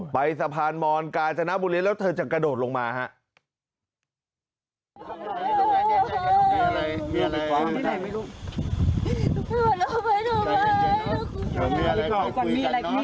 ไปสะพานมอนกาญจนบุรีแล้วเธอจะกระโดดลงมาครับ